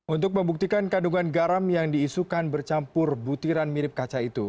untuk membuktikan kandungan garam yang diisukan bercampur butiran mirip kaca itu